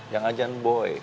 yang ajan boy